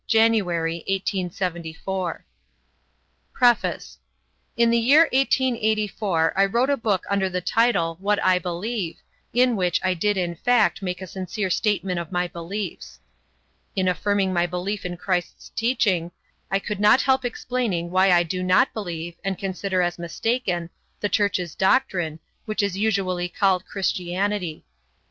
January, 1894 PREFACE. In the year 1884 I wrote a book under the title "What I Believe," in which I did in fact make a sincere statement of my beliefs. In affirming my belief in Christ's teaching, I could not help explaining why I do not believe, and consider as mistaken, the Church's doctrine, which is usually called Christianity.